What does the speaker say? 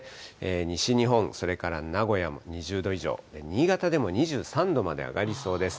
西日本、それから名古屋も２０度以上、新潟でも２３度まで上がりそうです。